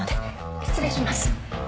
失礼します。